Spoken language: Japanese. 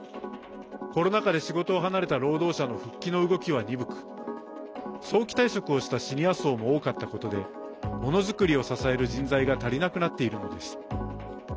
コロナ禍で仕事を離れた労働者の復帰の動きは鈍く早期退職したシニア層も多かったことでものづくりを支える人材が足りなくなっているのです。